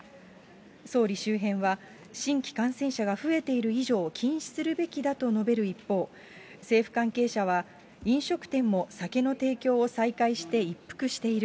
総理周辺は、新規感染者が増えている以上、禁止するべきだと述べる一方、政府関係者は、飲食店も酒の提供を再開して一服している。